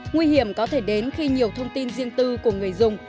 nguy hiểm có thể đến khi nhiều thông tin riêng tư của người dùng